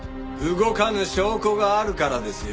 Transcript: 動かぬ証拠があるからですよ。